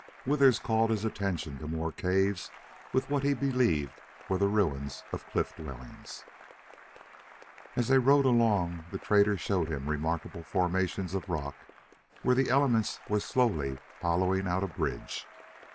Withers called his attention to more caves with what he believed were the ruins of cliff dwellings. And as they rode along the trader showed him remarkable formations of rock where the elements were slowly hollowing out a bridge.